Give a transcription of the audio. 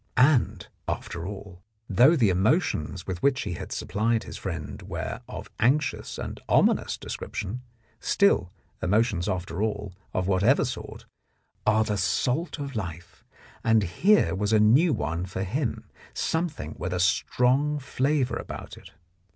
And, after all, though the emotions with which he had supplied his friend were of anxious and ominous description, still, emotions after all, of whatever sort, are the salt of life, and here was a new one for him, something with a strong flavour about it.